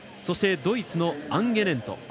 そしてドイツのアンゲネント。